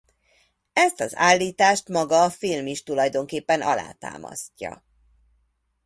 Ezt az állítást maga a film is tulajdonképpen alátámasztja.